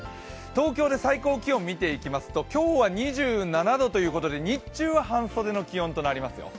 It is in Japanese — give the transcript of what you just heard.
東京で最高気温、みていきますと今日は２７度ということで日中は半袖の気温となりますよ。